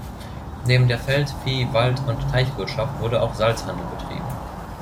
Neben der Feld-, Vieh-, Wald- und Teichwirtschaft wurde auch Salzhandel betrieben.